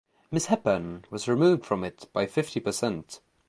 Miss Hepburn was removed from it by fifty percent.